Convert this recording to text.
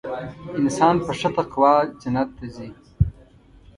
انسان په ښه تقوا جنت ته ځي .